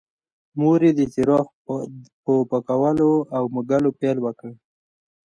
مور یې د څراغ په پاکولو او موږلو پیل وکړ.